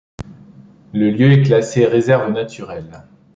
Le lieu est classé réserve naturelle.